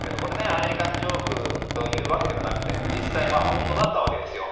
アメリカンジョークというわけではなくて実際に本当だったわけですよ。